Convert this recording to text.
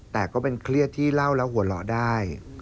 แต่ก็เป็นเครียดที่เล่าแล้วหัวเราะได้